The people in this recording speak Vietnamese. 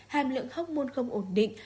hàm lượng hormôn không ổn định